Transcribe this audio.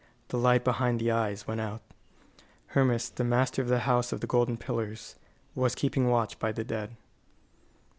The light behind the eyes went out. Hermas, the master of the House of the Golden Pillars, was keeping watch by the dead.